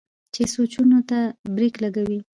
چې سوچونو ته برېک لګوي